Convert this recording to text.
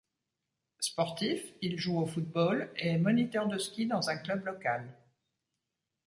Sportif, il joue au football et est moniteur de ski dans un club local.